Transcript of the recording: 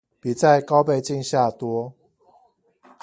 比在高倍鏡下多